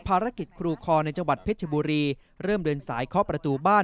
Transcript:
ครูคอในจังหวัดเพชรบุรีเริ่มเดินสายเคาะประตูบ้าน